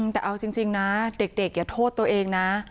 แต่เอาจริงนะเด็กอย่าโทษตัวเองนะ